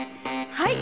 はい！